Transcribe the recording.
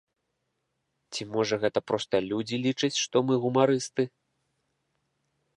Ці, можа, гэта проста людзі лічаць, што мы гумарысты?